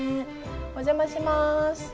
お邪魔します。